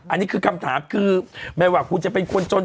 อันนี้คือคำถามคือไม่ว่าคุณจะเป็นคนจน